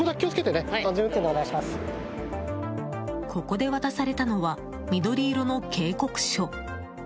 ここで渡されたのは緑色の警告書。